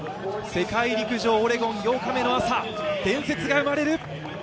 世界陸上オレゴン８日目の朝、伝説が生まれる。